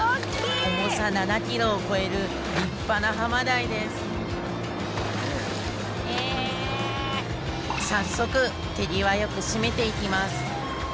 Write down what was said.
重さ７キロを超える立派なハマダイです早速手際よく締めていきます。